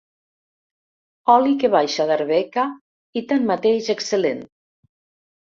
Oli que baixa d'Arbeca i, tanmateix, excel·lent.